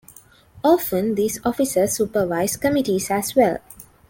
Often these officers supervise committees as well.